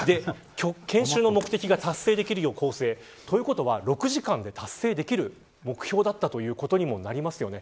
研修の目的が達成できるよう構成ということは６時間で達成できる目標だったということにもなりますよね。